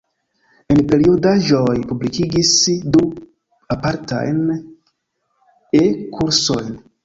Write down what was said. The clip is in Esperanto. En periodaĵoj publikigis du apartajn E-kursojn.